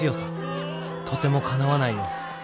とてもかなわないよ。